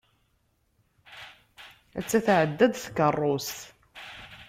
Atta tεedda-d tkeṛṛust.